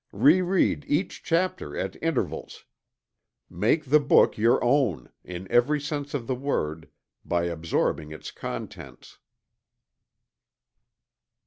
Re read each chapter at intervals. Make the book your own, in every sense of the word, by absorbing its contents.